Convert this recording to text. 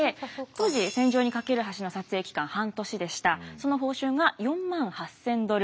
その報酬が４万８，０００ドル